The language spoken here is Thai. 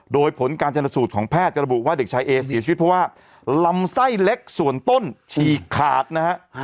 โดยผลการชนสูตรของแพทย์จะระบุว่าเด็กชายเอเสียชีวิตเพราะว่าลำไส้เล็กส่วนต้นฉีกขาดนะฮะ